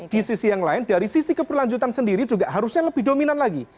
di sisi yang lain dari sisi keberlanjutan sendiri juga harusnya lebih dominan lagi